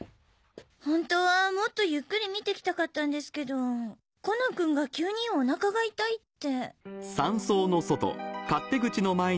ホントはもっとゆっくり見て来たかったんですけどコナン君が急に「お腹が痛い」って。